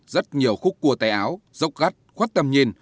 rất nhiều khúc cua tè áo rốc gắt khuất tầm nhìn